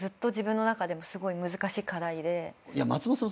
松本さん